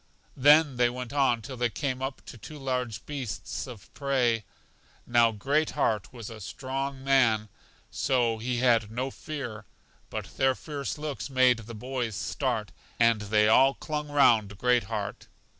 Then they went on till they came up to two large beasts of prey. Now Great heart was a strong man, so he had no fear; but their fierce looks made the boys start, and they all clung round Great heart.